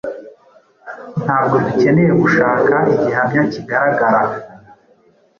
Ntabwo dukeneye gushaka igihamya kigaragara